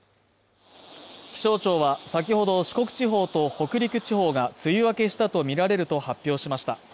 気象庁はさきほど四国地方と北陸地方が梅雨明けしたとみられると発表しました。